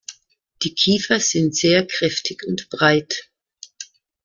Die Kiefer sind sehr kräftig und breit.